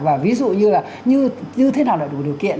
và ví dụ như thế nào là đủ điều kiện